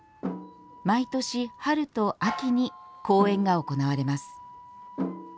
毎年春と秋に公演が行われます。